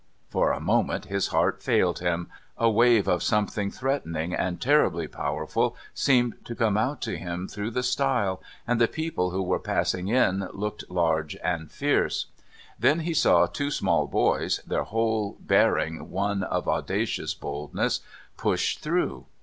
For a moment his heart failed him a wave of something threatening and terribly powerful seemed to come out to him through the stile, and the people who were passing in looked large and fierce. Then he saw two small boys, their whole bearing one of audacious boldness, push through.